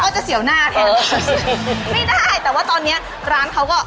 จะเสียวหน้าแทนไม่ได้แต่ว่าตอนเนี้ยร้านเขาก็